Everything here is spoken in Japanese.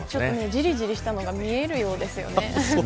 じりじりしたのが見えるようですよね。